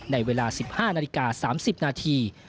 ในเวลา๑๕นาฬิกา๓๐นาที